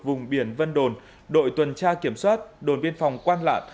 vùng biển vân đồn đội tuần tra kiểm soát đồn biên phòng quang lạc